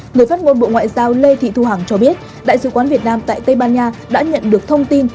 người phát ngôn bộ ngoại giao lê thị thu hằng cho biết đại sứ quán việt nam tại tây ban nha đã nhận được thông tin